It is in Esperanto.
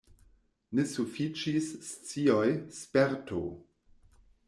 Ne sufiĉis scioj, sperto.